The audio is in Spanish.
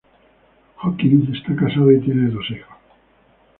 Hopkins está casado y tiene dos hijos.